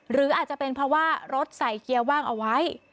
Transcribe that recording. หรืออาจจะเป็นเพราะว่ารถใส่เกียร์ว่างเอาไว้